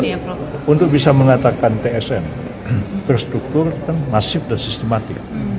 ini kan untuk bisa mengatakan tsn perstruktur itu kan masif dan sistematik